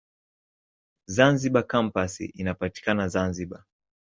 Zanzibar Kampasi inapatikana Zanzibar.